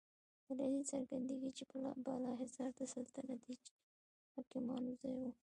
له دې څرګندیږي چې بالاحصار د سلطنتي حاکمانو ځای و.